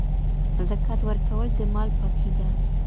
زکات ورکول د مال پاکي ده.